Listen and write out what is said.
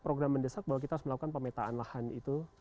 program mendesak bahwa kita harus melakukan pemetaan lahan itu